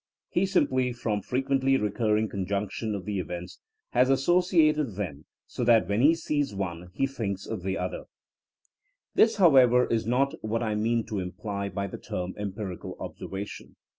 He simply, from frequently recurring conjunction of the events, has asso THINKINa AS A 80IEN0E 33 ciated them so that when he sees one he thinks of the other. «^ This, however, is not what I mean to imply by the term empirical observation.